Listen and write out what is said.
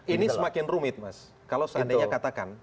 ini semakin rumit mas kalau seandainya katakan